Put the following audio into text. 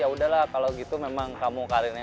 ya udahlah kalau gitu memang kamu karirnya